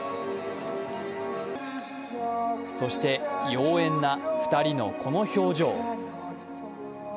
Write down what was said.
そして妖艶な２人のこの表情。